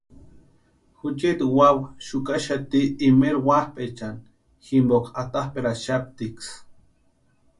Juchiti wawa xukaxati imeeri wapʼaechani jimpoka atapʼeraxaptiksï.